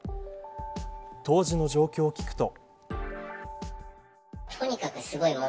当時の状況を聞くと。